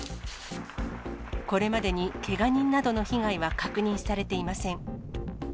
これまでにけが人などの被害は確認されていません。